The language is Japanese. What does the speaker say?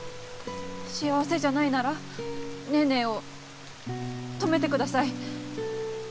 幸せじゃないならネーネーを止めてください。